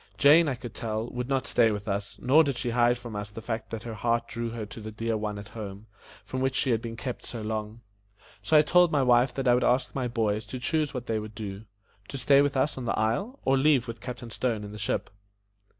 Jane, I could tell, would not stay with us, nor did she hide from us the fact that her heart drew her to the dear one at home, from whom she had been kept so long. So I told my wife that I would ask my boys to choose what they would do to stay with us on the isle, or leave with Captain Stone in the ship.